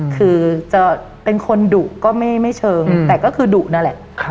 คือจะเป็นคนดุก็ไม่เชิงแต่ก็คือดุนั่นแหละ